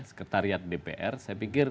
sekretariat dpr saya pikir